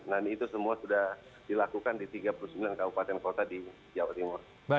nah itu semua sudah dilakukan di tiga puluh sembilan kabupaten kota di jawa timur